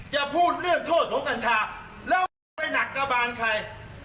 จะพูดเรื่องโทษของกัญชาแล้วไม่ต้องไปหนักกระบานใคร